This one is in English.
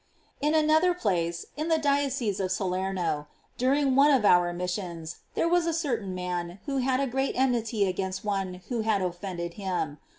In another place, in the diocese of Salerno, during one of our missions, there was a certain man who had a great enmity against one who ?nad offended him.